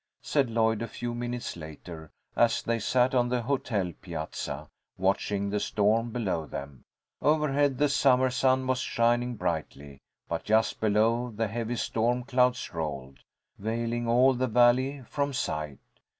said Lloyd a few minutes later, as they sat on the hotel piazza, watching the storm below them. Overhead the summer sun was shining brightly, but just below the heavy storm clouds rolled, veiling all the valley from sight.